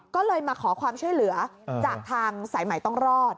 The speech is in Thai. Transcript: ก็เลยมาขอความช่วยเหลือจากทางสายใหม่ต้องรอด